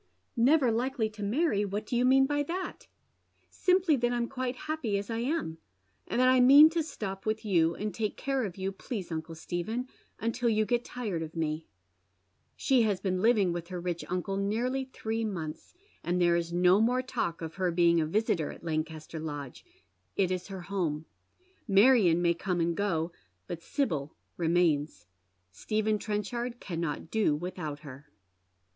" Never likely to marry ! what do you mean by that ?"" Simply that I'm quite happy as I am, and that I mean to stop with you, and take care of you, please uncle Stephen, until you get tired of me." She has been living with her rich uncle nearly three months, and there is no more talk of her being a visitor at Lancaster Lodge. It is her home. Marion may come and go, but Sibyl remains. Stephen Trenchard cannot do without her.